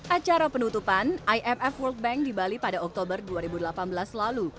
acara penutupan imf world bank di bali pada oktober dua ribu delapan belas lalu